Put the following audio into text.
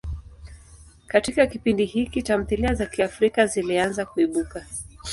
Katika kipindi hiki, tamthilia za Kiafrika zilianza kuibuka.